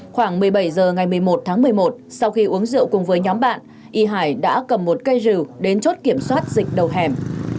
khoảng một mươi bảy h ngày một mươi một tháng một mươi một sau khi uống rượu cùng với nhóm bạn y hải đã cầm một cây rừng đến chốt kiểm soát dịch đầu hẻm